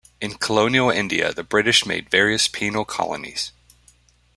In colonial India, the British made various penal colonies.